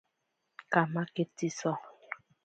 Kamake tziso.